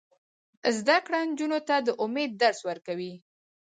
زده کړه نجونو ته د امید درس ورکوي.